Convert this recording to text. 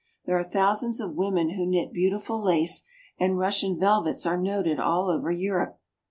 There are thousands of women who knit beautiful lace, and Russian velvets are noted all over Europe.